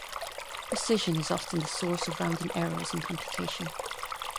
Precision is often the source of rounding errors in computation.